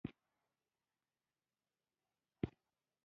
وطن زموږ د سولې، پرمختګ او خوشحالۍ نښه ده.